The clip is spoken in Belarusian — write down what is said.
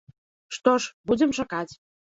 Што ж, будзем чакаць.